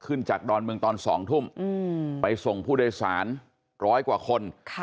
ขึ้นจากดอนเมืองตอน๒ทุ่มไปส่งผู้โดยสารร้อยกว่าคน